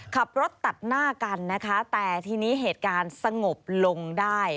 ขับรถตัดหน้ากันนะคะแต่ทีนี้เหตุการณ์สงบลงได้